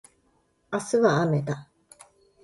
明日はあめだ